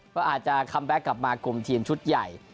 ก็อาจจะคัมแบ็คกลับมากลุ่มทีมชุดใหญ่